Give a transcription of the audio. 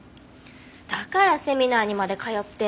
だからセミナーにまで通って。